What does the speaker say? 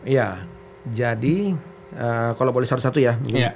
ya jadi kalau boleh salah satu ya